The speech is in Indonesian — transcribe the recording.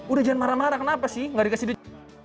udah jangan marah marah kenapa sih gak dikasih duit